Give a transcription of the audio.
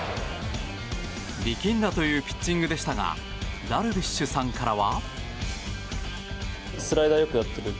力んだというピッチングでしたがダルビッシュさんからは。